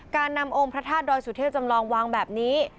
การนำองค์พระธาตุดอยสุเทพจำลองวางแบบนี้